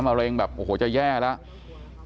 เร็งแบบโอ้โหจะแย่แล้ว